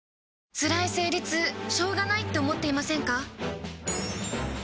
つらい生理痛しょうがないって思っていませんか？